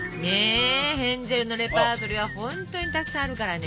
ヘンゼルのレパートリーは本当にたくさんあるからね。